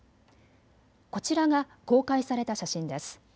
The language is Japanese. こちらが公開された写真です。